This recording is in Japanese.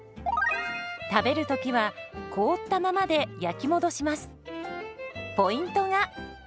食べる時は凍ったままで焼き戻します。